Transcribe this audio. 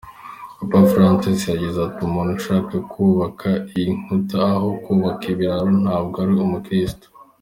Papa Francis yagize ati “Umuntu ushaka kubaka inkuta aho kubaka ibiraro ntabwo ari umukirisitu.